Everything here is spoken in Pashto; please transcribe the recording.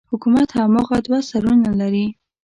حکومت هماغه دوه سرونه لري.